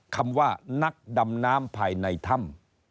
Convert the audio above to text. คำว่านักดำน้ำภายในถ้ำ